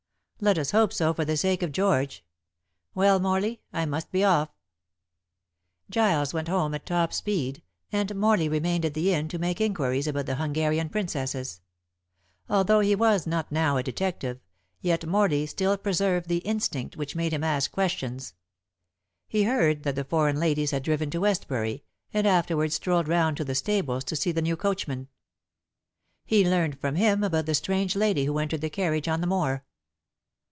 "Let us hope so for the sake of George. Well, Morley, I must be off." Giles went home at top speed, and Morley remained at the inn to make inquiries about the Hungarian Princesses. Although he was not now a detective, yet Morley still preserved the instinct which made him ask questions. He heard that the foreign ladies had driven to Westbury, and afterwards strolled round to the stables to see the new coachman. He learned from him about the strange lady who entered the carriage on the moor.